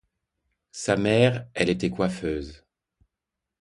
Sa mère elle était coiffeuse.